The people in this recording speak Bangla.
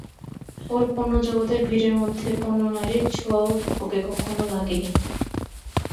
ওর পণ্যজগতের ভিড়ের মধ্যে পণ্য-নারীর ছোঁওয়াও ওকে কখনো লাগে নি।